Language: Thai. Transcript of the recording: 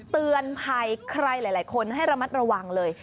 เตือนภัยใครหลายคนให้ระมัดระวังเลย